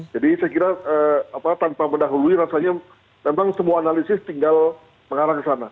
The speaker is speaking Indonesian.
jadi saya kira tanpa mendahului rasanya memang semua analisis tinggal mengarah ke sana